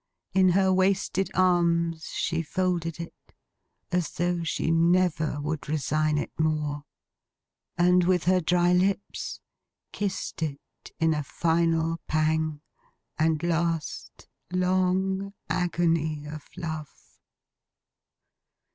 In her wasted arms she folded it, as though she never would resign it more. And with her dry lips, kissed it in a final pang, and last long agony of Love.